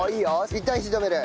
いったん火止める。